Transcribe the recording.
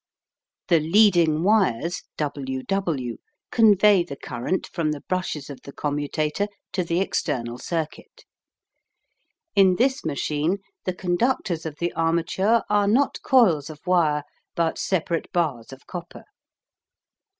The leading wires W W convey the current from the brushes of the commutator to the external circuit. In this machine the conductors of the armature are not coils of wire, but separate bars of copper.